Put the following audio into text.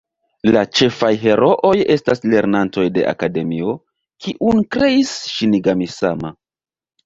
La ĉefaj herooj estas lernantoj de Akademio, kiun kreis Ŝinigami-sama.